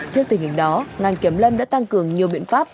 trước tình hình đó ngành kiểm lâm đã tăng cường nhiều biện pháp